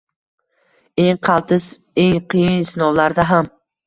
Eng qaltis, eng qiyin sinovlarda ham